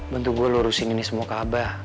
bantu gue lurusin ini semua kak abah